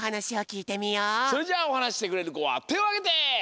それじゃあおはなししてくれるこはてをあげて！